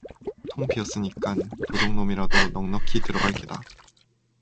통 비었으니깐 도적놈이라도 넉넉히 들어갈 게다.